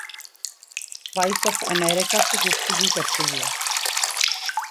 voice of America سے گفتگو کرتے ہوئے